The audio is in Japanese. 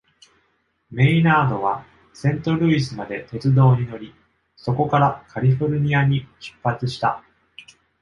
メイナードはセントルイスまで鉄道に乗り、そこからカリフォルニアに出発した。